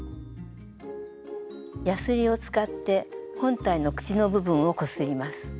やすりを使って本体の口の部分をこすります。